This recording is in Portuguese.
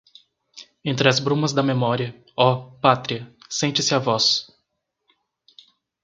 Entre as brumas da memória, oh, pátria, sente-se a voz